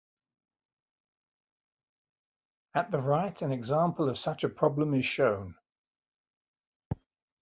At the right an example of such a problem is shown.